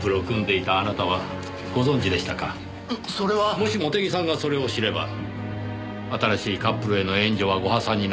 もし茂手木さんがそれを知れば新しいカップルへの援助はご破算になってしまう。